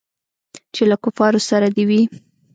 چې له کفارو سره دې وي.